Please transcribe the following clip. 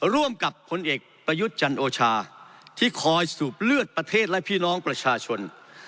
ร่วมกับพลเอกประยุทธ์จันโอชาที่คอยสูบเลือดประเทศและพี่น้องประชาชน